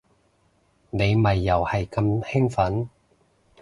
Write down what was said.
你咪又係咁興奮